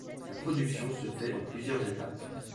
La production se fait en plusieurs étapes.